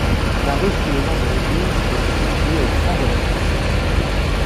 La rue prit le nom de l'église qui était située au fond de l'impasse.